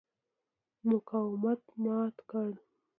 مقاومت مات کړ.